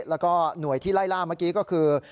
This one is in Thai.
แล้วก็หน่วยที่ไล่ล่าเมื่อกี้ก็คือ